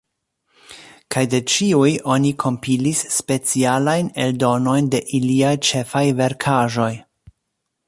Kaj de ĉiuj oni kompilis specialajn eldonojn de iliaj ĉefaj verkaĵoj.